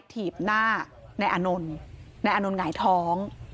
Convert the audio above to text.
ทีบหน้าในอนนในอนนหงายท้อง